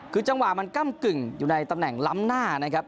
คือจังหวะมันก้ำกึ่งอยู่ในตำแหน่งล้ำหน้านะครับ